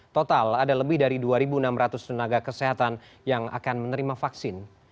total ada lebih dari dua enam ratus tenaga kesehatan yang akan menerima vaksin